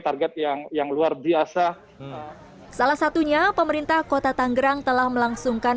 target yang yang luar biasa salah satunya pemerintah kota tanggerang telah melangsungkan